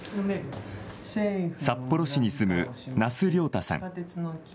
札幌市に住む那須亮太さん。